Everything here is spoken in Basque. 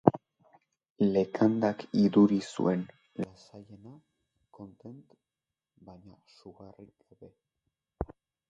Lekandak iduri zuen lasaiena, kontent, baina sugarrik gabe.